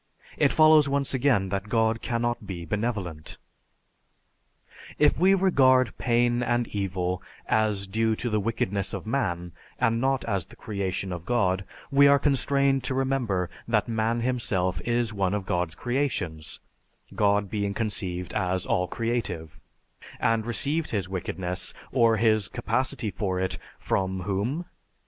It follows once again that God cannot be benevolent. "If we regard pain and evil as due to the wickedness of man and not as the creation of God, we are constrained to remember that man himself is one of God's creations (God being conceived as all creative), and received his wickedness, or his capacity for it, from whom?